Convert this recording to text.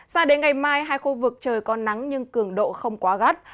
sao đến ngày mai hai khu vực trời có nắng nhưng cường độ không quá gắt